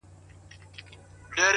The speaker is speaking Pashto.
جهاني به وي د شپو له کیسو تللی-